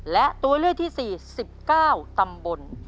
และตัวเลือกที่๔๑๙ตำบล